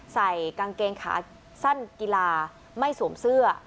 ใส่กางเกงขาสั้นกีฬาไม่สวมเสื้อ